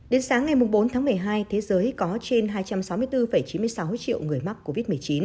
đến sáng ngày bốn tháng một mươi hai thế giới có trên hai trăm sáu mươi bốn chín mươi sáu triệu người mắc covid một mươi chín